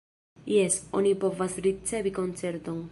Jes, oni povas ricevi koncerton.